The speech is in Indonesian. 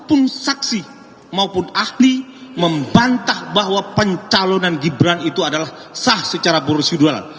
apapun saksi maupun ahli membantah bahwa pencalonan gibran itu adalah sah secara borossidualan